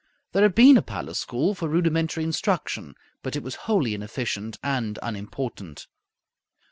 There had been a palace school for rudimentary instruction, but it was wholly inefficient and unimportant.